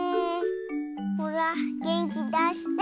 ほらげんきだして。